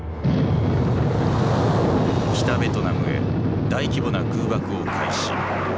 北ベトナムへ大規模な空爆を開始。